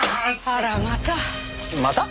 あらまた。